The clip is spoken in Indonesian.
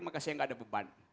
maka saya nggak ada beban